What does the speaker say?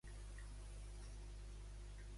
Què descobreix Joey quan conversa amb ella?